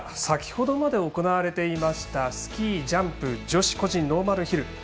先ほどまで行われていましたスキー・ジャンプ女子個人ノーマルヒル。